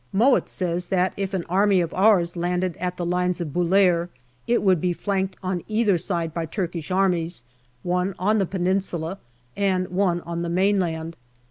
Mowatt says that if an army of ours landed at the Lines of Bulair, it would be flanked on either side by Turkish armies, one on the Peninsula and one on the mainland.